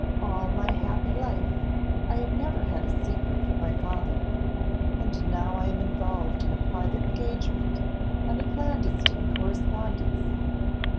All my happy life I have never had a secret from my father; and now I am involved in a private engagement and a clandestine correspondence.